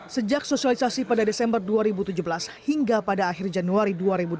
sejak sosialisasi pada desember dua ribu tujuh belas hingga pada akhir januari dua ribu delapan belas